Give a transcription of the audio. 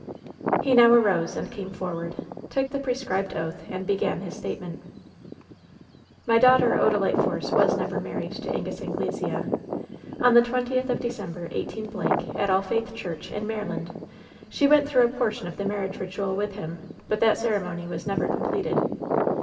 He now arose and came forward, took the prescribed oat, and began his statement : "My daughter, Odalite Force, was never married to Angus Anglesea. On the twentieth of December, 18 —, at AH Faith Church, in Maryland, she went through a portion of the marriage ritual with him ; but that cere mony was never completed.